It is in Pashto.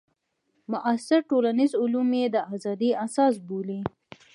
معاصر ټولنیز علوم یې د ازادۍ اساس بولي.